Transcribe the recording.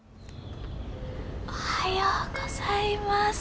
おはようございます。